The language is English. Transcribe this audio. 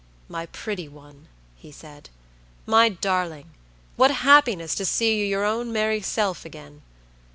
"My pretty one," he said, "my darling, what happiness to see you your own merry self again!